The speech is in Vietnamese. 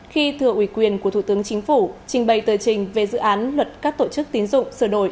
khi thừa ủy quyền của thủ tướng chính phủ trình bày tờ trình về dự án luật các tổ chức tín dụng sửa đổi